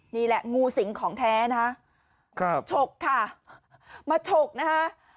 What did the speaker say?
นี่แหละงูสิงของแท้นะครับฉกค่ะมาฉกนะคะ